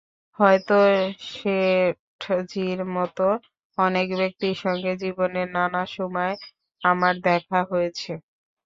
হয়তো শেঠজির মতো অনেক ব্যক্তির সঙ্গে জীবনে নানা সময় আমার দেখা হয়েছে।